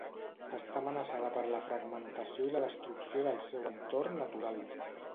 Està amenaçada per la fragmentació i la destrucció del seu entorn natural.